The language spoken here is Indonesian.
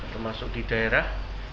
termasuk di daerah